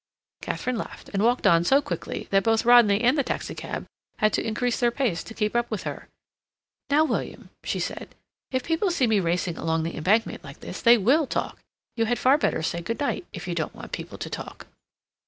Katharine laughed and walked on so quickly that both Rodney and the taxicab had to increase their pace to keep up with her. "Now, William," she said, "if people see me racing along the Embankment like this they will talk. You had far better say good night, if you don't want people to talk."